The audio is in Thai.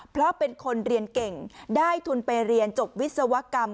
เพราะเป็นคนเรียนเก่งได้ทุนไปเรียนจบวิศวกรรม